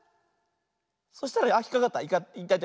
そしたらあっひっかかった。